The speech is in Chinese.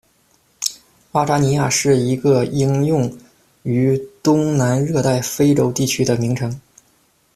阿扎尼亚是一个应用于东南热带非洲地区的名称。